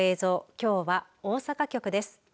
きょうは大阪局です。